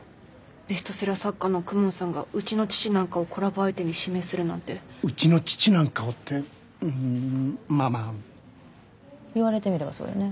ベストセラー作家の公文さんがうちの父なんかをコラボ相手に指名するなんて「うちの父なんかを」ってうーんまあまあ言われてみればそうよね